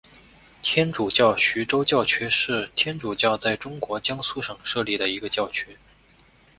天主教徐州教区是天主教在中国江苏省设立的一个教区。